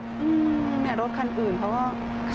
เนี่ยรถคันอื่นเขาก็